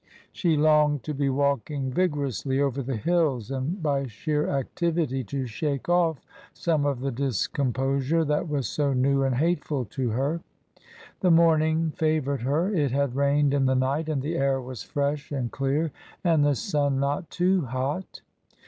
She longed to be walking vigorously over the hills, and by sheer activity to shake off some of the discomposure that was so new and hateful to her. The morning fa voured her. It had rained in the night, and the air was fresh and clear and the sun not too hot.